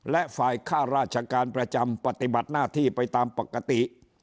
และฝ่ายค่าราชการประจำปฏิบัติหน้าที่ไปตามปกติ